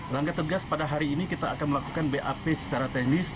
langkah tegas pada hari ini kita akan melakukan bap secara teknis